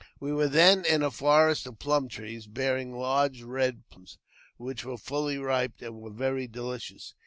We were then in a forest of ph trees, bearing large red plums, which were fully ripe, were very delicious.